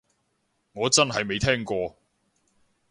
我真係未聽過